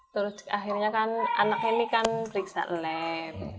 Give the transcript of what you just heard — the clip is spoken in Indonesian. terus akhirnya kan anak ini kan periksa lab